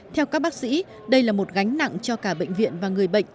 theo các bác sĩ đây là một gánh nặng cho cả bệnh viện và người bệnh